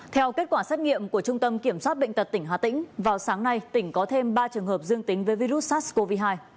theo kết quả xét nghiệm của trung tâm kiểm soát bệnh tật tỉnh hà tĩnh vào sáng nay tỉnh có thêm ba trường hợp dương tính với virus sars cov hai